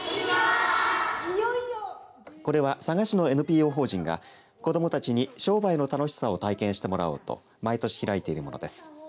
これは、佐賀市のＮＰＯ法人が子どもたちに商売の楽しさを体験してもらおうと毎年開いているものです。